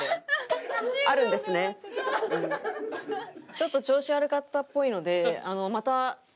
ちょっと調子悪かったっぽいのでまたね